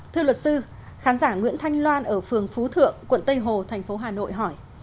thưa luật sư khán giả nguyễn thanh loan ở phường phú thượng quận tây hồ tp hcm hỏi